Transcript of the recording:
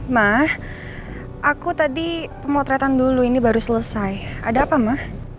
ma aku tadi pemotretan dulu ini baru selesai ada apa mah